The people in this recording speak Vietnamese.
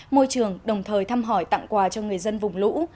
môi trường đồng thời thăm hỏi tặng quà cho người dân vùng lũ